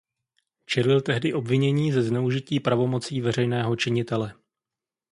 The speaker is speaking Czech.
Čelil tehdy obvinění ze zneužití pravomocí veřejného činitele.